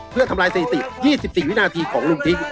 เพื่อทำลายสถิติ๒๔วินาทีของลุงพิก